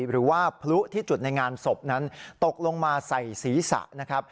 หรือว่าพลุที่จุดในงานศพนั้นตกลงมาใส่ศีรษะนะครับ